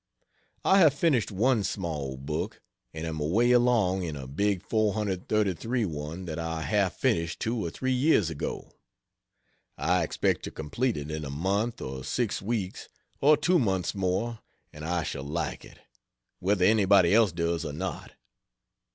I have finished one small book, and am away along in a big 433 one that I half finished two or three years ago. I expect to complete it in a month or six weeks or two months more. And I shall like it, whether anybody else does or not.